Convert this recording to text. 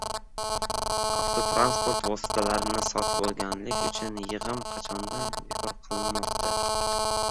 Avtotransport vositalarini sotib olganlik uchun yig‘im qachondan bekor qilinmoqda?